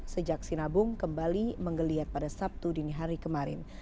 sejak sinabung kembali menggeliat pada sabtu dini hari kemarin